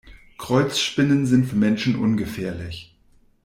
Kreuzspinnen sind für Menschen ungefährlich.